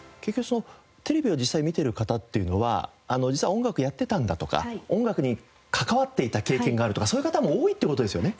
テレビを実際に見てる方っていうのは実は音楽をやってたんだとか音楽に関わっていた経験があるとかそういう方も多いって事ですよね。